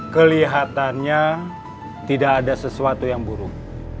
kelihatannya tidak ada sesuatu yang buruk